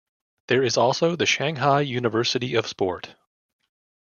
There is also the Shanghai University of Sport.